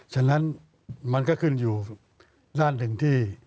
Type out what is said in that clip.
ฉะนั้นมันก็ขึ้นอยู่ด้านหนึ่งที่